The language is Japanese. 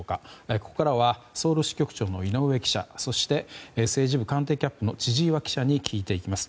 ここからはソウル支局長の井上記者そして、政治部官邸キャップの千々岩記者に聞いていきます。